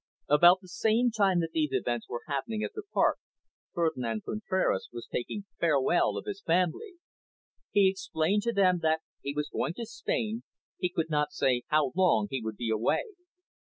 About the same time that these events were happening at the Park, Ferdinand Contraras was taking farewell of his family. He explained to them that he was going to Spain, he could not say how long he would be away.